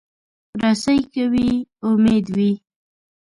رسۍ که وي، امید وي.